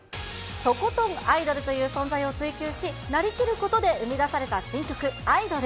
とことんアイドルという存在を追求し、なりきることで生み出された新曲、アイドル。